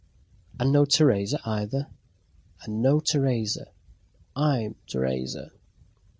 "And no Teresa either?" "And no Teresa. I'm Teresa."